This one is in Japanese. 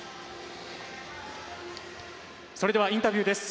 それではインタビューです。